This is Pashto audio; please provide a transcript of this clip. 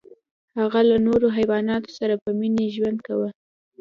هغه له نورو حیواناتو سره په مینه ژوند کاوه.